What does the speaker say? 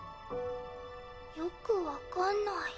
よく分かんない。